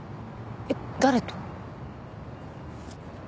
えっ誰と？